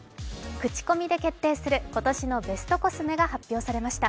クチコミで決定する今年のベストコスメが決まりました。